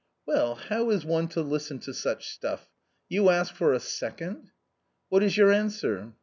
Well ; how is one to listen to such stuff : you ask for a second ?"" What is your answer